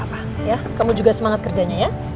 gak apa apa kamu juga semangat kerjanya ya